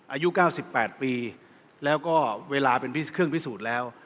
อายุ๙๘ปีแล้วก็เวลาเป็นเครื่องพิสูจน์แล้ว